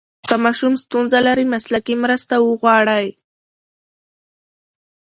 که ماشوم ستونزه لري، مسلکي مرسته وغواړئ.